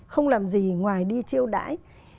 không làm gì ngoài đi triệu đãi